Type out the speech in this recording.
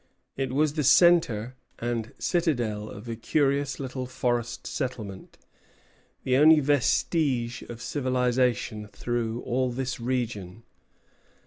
It was the centre and citadel of a curious little forest settlement, the only vestige of civilization through all this region.